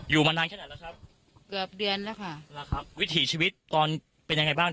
มานานแค่ไหนแล้วครับเกือบเดือนแล้วค่ะแล้วครับวิถีชีวิตตอนเป็นยังไงบ้าง